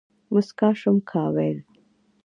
موسکا شوم ، کا ويل ،